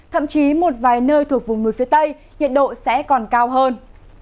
thậm chí một vài nơi thuộc vùng núi phía tây nhiệt độ sẽ còn cao hơn